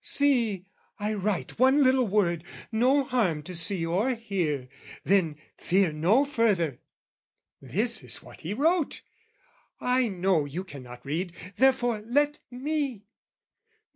See, I write "'One little word, no harm to see or hear! "'Then, fear no further!' This is what he wrote. "I know you cannot read, therefore, let me!